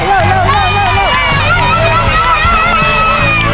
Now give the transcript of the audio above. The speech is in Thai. เร็วเร็วเร็ว